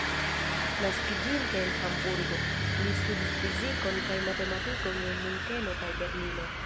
Naskiĝinte en Hamburgo, li studis fizikon kaj matematikon en Munkeno kaj Berlino.